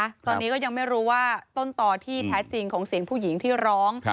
ตอนนี้ก็ยังไม่รู้ว่าต้นต่อที่แท้จริงของเสียงผู้หญิงที่ร้อง